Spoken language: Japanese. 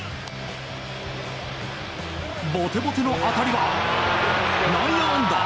ボテボテの当たりは内野安打。